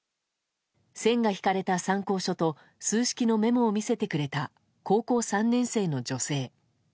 線が引かれた参考書と数式のメモを見せてくれた高校３年生の女性。